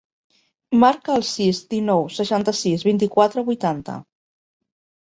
Marca el sis, dinou, seixanta-sis, vint-i-quatre, vuitanta.